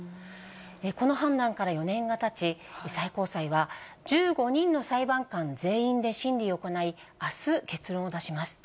この判断から４年がたち、最高裁は１５人の裁判官全員で審理を行い、あす、結論を出します。